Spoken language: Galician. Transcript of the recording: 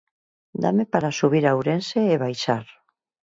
Dáme para subir a Ourense e baixar.